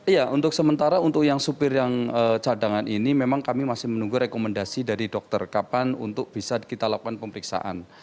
iya untuk sementara untuk yang supir yang cadangan ini memang kami masih menunggu rekomendasi dari dokter kapan untuk bisa kita lakukan pemeriksaan